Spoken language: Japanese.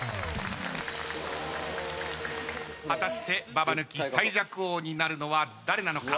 果たしてババ抜き最弱王になるのは誰なのか？